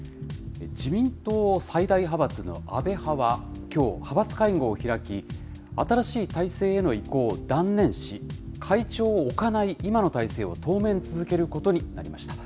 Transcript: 自民党最大派閥の安倍派は、きょう派閥会合を開き、新しい体制への移行を断念し、会長を置かない今の体制を当面、続けることになりました。